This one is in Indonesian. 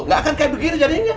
nggak akan kayak begini jadinya